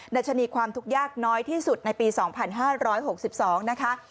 ัชนีความทุกข์ยากน้อยที่สุดในปี๒๕๖๒นะคะ